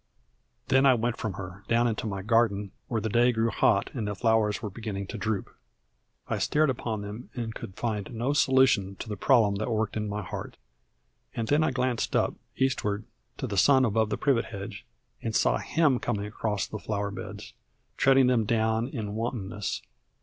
Then I went from her, down into my garden, where the day grew hot and the flowers were beginning to droop. I stared upon them and could find no solution to the problem that worked in my heart. And then I glanced up, eastward, to the sun above the privet hedge, and saw him coming across the flower beds, treading them down in wantonness.